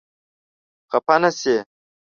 خپه نه شې؟